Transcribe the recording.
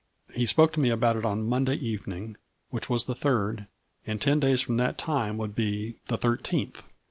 He spoke to me about it on Monday evening, which was the third ; and ten days from that time would be the thirteenth.